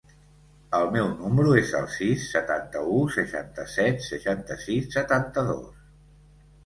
El meu número es el sis, setanta-u, seixanta-set, seixanta-sis, setanta-dos.